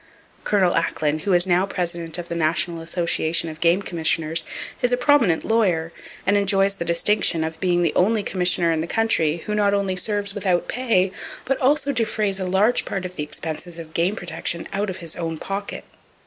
Col. Acklen, who is now president of the National Association of Game Commissioners, is a prominent lawyer, and enjoys the distinction of being the only commissioner in the country who not only serves without pay, but also defrays a large part of the expenses of game protection out of his own pocket."